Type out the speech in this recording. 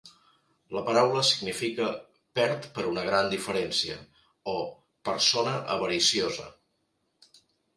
La paraula significa "perd per una gran diferència", o "persona avariciosa".